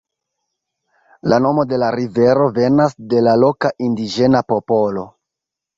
La nomo de la rivero venas de la loka indiĝena popolo.